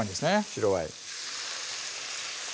白ワイン